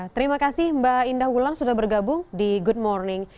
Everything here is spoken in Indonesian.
terima kasih mbak indah wulan sudah bergabung di good morning